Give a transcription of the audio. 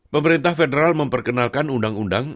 pemerintah federal memperkenalkan undang undang